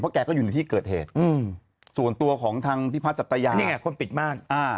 แกก็อยู่ในที่เกิดเหตุส่วนตัวของทางพี่พัฒนสัตยานี่ไงคนปิดบ้าน